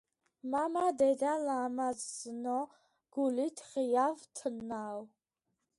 მამა დედა ლამაზნო გულით ღიავ თნაო